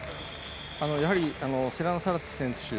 やはり、セラーノサラテ選手